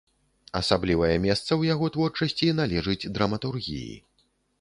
Асаблівае месца ў яго творчасці належыць драматургіі.